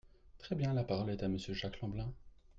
Très bien ! La parole est à Monsieur Jacques Lamblin.